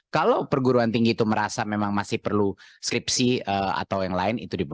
kalau perguruan tinggi itu merasa memang masih perlu skripsi atau yang lain